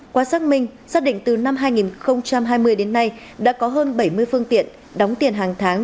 qua xác minh xác định từ năm hai nghìn hai mươi đến nay đã có hơn bảy mươi phương tiện đóng tiền hàng tháng